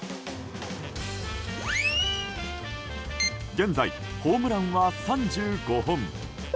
現在、ホームランは３５本。